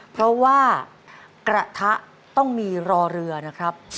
เพราะว่ากระทะต้องมีรอเรือนะครับ